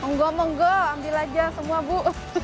menggo monggo ambil aja semua bu